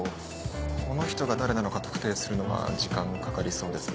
この人が誰なのか特定するのは時間かかりそうですね。